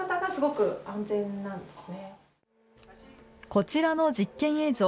こちらの実験映像。